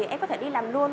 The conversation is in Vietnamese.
em có thể đi làm luôn